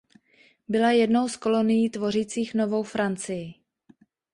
Byla jednou z kolonií tvořících Novou Francii.